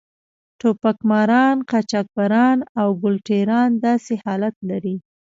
ټوپک ماران، قاچاقبران او ګل ټېران داسې حالت لري.